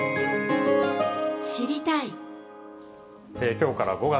きょうから５月。